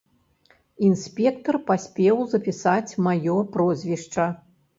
Інспектар паспеў запісаць маё прозвішча.